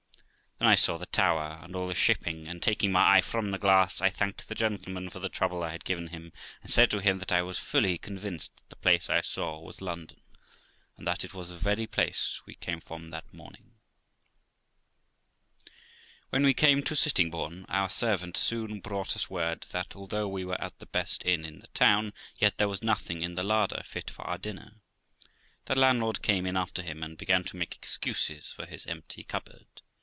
Then I saw the Tower, and all the shipping; and, taking my eye from the glass, I thanked the gentleman for the trouble I had given him, and said to him that I was fully convinced that the place I saw was London, and that it was the very place we came from that morning, When we came to Sittingbourne, our servant soon brought us word that, although we were at the best inn in the town, yet there was nothing in the larder fit for our dinner. The landlord came in after him and began to make excuses for his empty cupboard.